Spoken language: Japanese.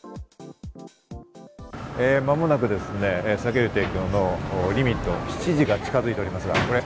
間もなく酒類提供のリミット、７時が近づいております。